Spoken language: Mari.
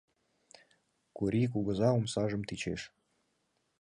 Корий кугыза омсажым тӱчеш.